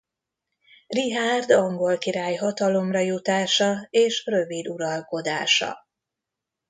Richárd angol király hatalomra jutása és rövid uralkodása.